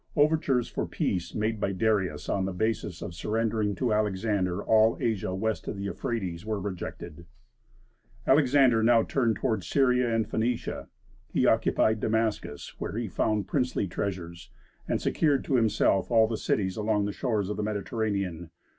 Overtures for peace, made by Darius on the basis of surrendering to Alexander all Asia west of the Euphrates, were rejected. Alexander now turned toward Syria and Phoenicia. He occupied Damascus, where he found princely treasures, and secured to himself all the cities along the shores of the Mediterranean.